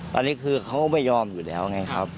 ตอนนี้คือเขาไม่ยอมอยู่แล้วไงครับ